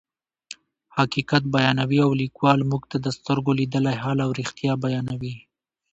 حقیقت بیانوي او لیکوال موږ ته د سترګو لیدلی حال او رښتیا بیانوي.